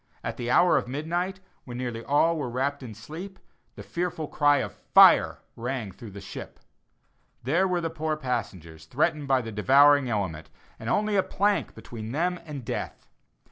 At the hour of midnight, when nearly all were wrapt in sleep, the fearful cry of "fire" rang through the ship. There were the poor passengers, threatened by the devouring element, and only a plank between them and death.